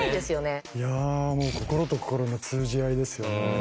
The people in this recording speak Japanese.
いやもう心と心の通じ合いですよね。